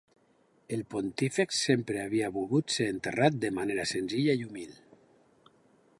El pontífex sempre havia volgut ser enterrat de manera senzilla i humil.